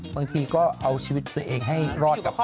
บางทีก็เอาชีวิตตัวเองให้รอดกลับไป